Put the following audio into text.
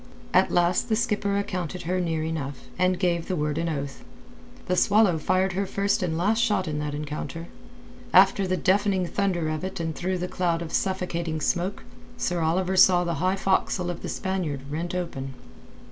At last the skipper accounted her near enough, and gave the word with an oath. The Swallow fired her first and last shot in that encounter. After the deafening thunder of it and through the cloud of suffocating smoke, Sir Oliver saw the high forecastle of the Spaniard rent open.